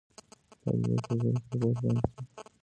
باید ژر تر ژره سرپوش بند شي.